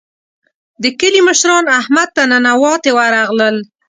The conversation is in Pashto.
د کلي مشران احمد ته ننواتې ورغلل.